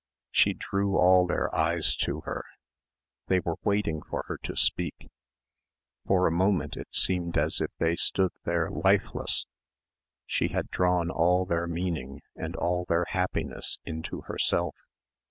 She drew all their eyes to her. They were waiting for her to speak. For a moment it seemed as if they stood there lifeless. She had drawn all their meaning and all their happiness into herself.